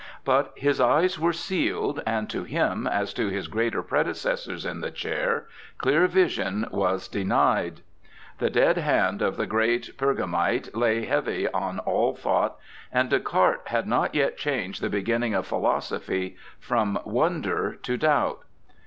But his eyes were sealed, and to him, as to his greater predecessors in the chair, clear vision was denied. The dead hand of the great Per gamite lay heavy on all thought, and Descartes had not yet changed the beginning of philosophy from wonder to doubt.